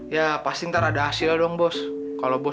ya patah hati mah biasa bos